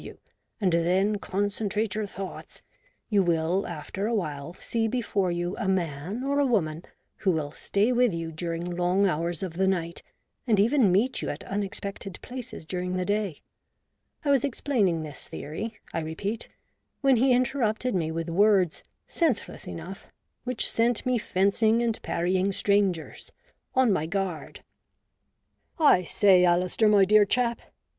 131 you, and then concentrate your thoughts, you will after a while see before you a man or a woman who will stay with you during long hours of the night, and even meet you at unexpected places during the day, I was explaining this theory, I repeat, when he interrupted me with words, senseless enough, which sent me fencing and parrying strangers, — on my guard, " I say, Alistair, my dear chap